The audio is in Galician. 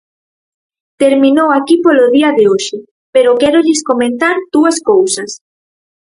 Terminou aquí polo día de hoxe, pero quérolles comentar dúas cousas.